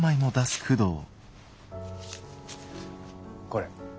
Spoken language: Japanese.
これ。